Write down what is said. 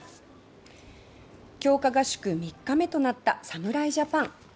強化合宿３日目となった侍ジャパン。